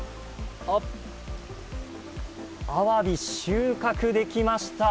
アワビ、収穫できました。